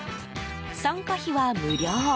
参加費は無料。